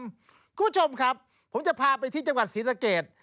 คุณผู้ชมครับผมจะพาไปที่จังหวัดศรีสะเกด